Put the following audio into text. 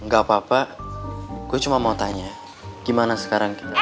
gak apa apa gue cuma mau tanya gimana sekarang